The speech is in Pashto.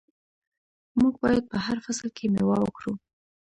موږ باید په هر فصل کې میوه وکرو.